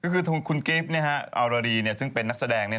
คุณเกฟออรารีซึ่งเป็นนักแสดง